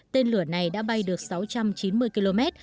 tên lửa này đã bay được sáu trăm chín mươi km